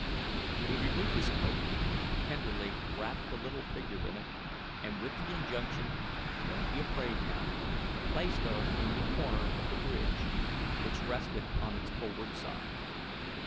He removed his coat, tenderly wrapped the little figure in it, and with the injunction: "Don't be afraid, now," placed her in the corner of the bridge, which rested on its forward side.